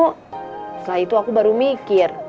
setelah itu aku baru mikir